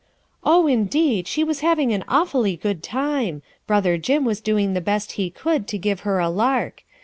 "Oh, indeed, she was having an awfully good time. Brother Jim was doing the best he could to give her a. lark.